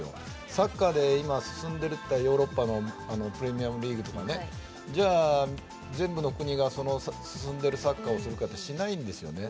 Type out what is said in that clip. サッカーで今、進んでいるヨーロッパのプレミアムリーグとかじゃあ、全部の国が進んでいるサッカーをするかといったらしないんですよね。